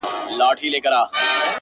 • له غمونو اندېښنو کله خلاصېږو,